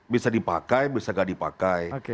bisa dipakai bisa nggak dipakai